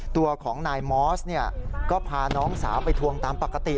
ตัวของนายมอสก็พาน้องสาวไปทวงตามปกติ